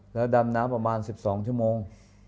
แล้วดำน้ำประมาณ๑๒ชั่วโมง